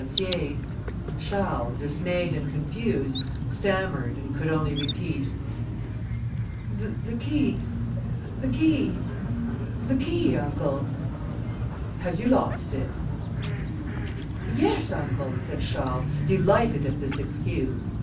Charles, dismayed and confused, stammered, and could only repeat: "The key, the key ... the key, uncle." "Have you lost it?" "Yes, uncle," said Charles, delighted at this excuse.